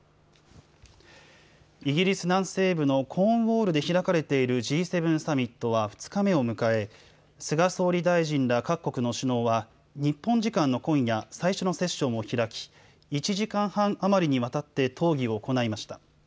イギリス南西部のコーンウォールで開かれているＧ７サミットは２日目を迎え菅総理大臣ら各国の首脳は日本時間の今夜最初のセッションを開き１時間半余りにわたって討議を行いました。